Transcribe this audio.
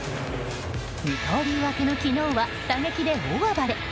二刀流明けの昨日は打撃で大暴れ。